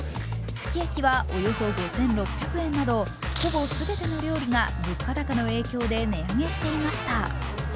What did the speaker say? すき焼きはおよそ５６００円などほぼ全ての料理が物価高の影響で値上げしていました。